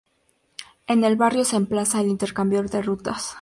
En el barrio se emplaza el intercambiador de rutas.